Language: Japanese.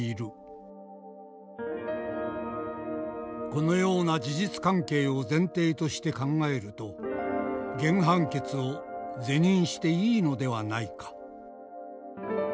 「このような事実関係を前提として考えると原判決を是認していいのではないか」。